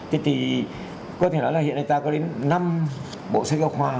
thế thì có thể nói là hiện nay ta có đến năm bộ sách giáo khoa